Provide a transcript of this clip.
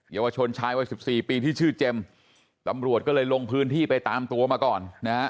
เยาวชนชายวัยสิบสี่ปีที่ชื่อเจมส์ตำรวจก็เลยลงพื้นที่ไปตามตัวมาก่อนนะฮะ